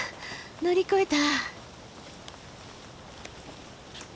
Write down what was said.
乗り越えた。